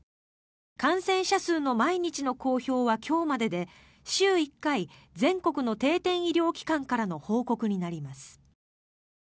感染者数の毎日の公表は今日までで週１回全国の定点医療機関からの報告になります。